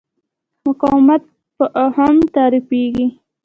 مقاومت په اوهم تعریفېږي.